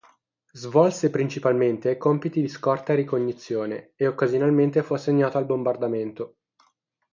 Svolse principalmente compiti di scorta e ricognizione, e occasionalmente fu assegnato al bombardamento.